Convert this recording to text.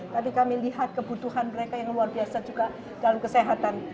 tapi kami lihat kebutuhan mereka yang luar biasa juga dalam kesehatan